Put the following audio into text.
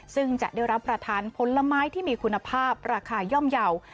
ซึ่งจะได้รับประทานผลไม้ที่มีคุณภาพราคาย่อมเยาว์